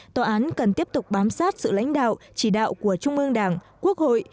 tòa án cần tiếp tục bám sát sự lãnh đạo chỉ đạo của trung ương đảng quốc hội